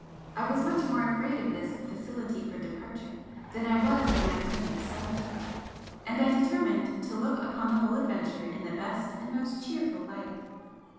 I was much more afraid of this 'facility for departure' than I was of my present solitude, and I determined to look upon the whole adventure in the best and most cheerful light.